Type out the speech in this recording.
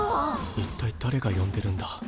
一体だれが呼んでるんだ。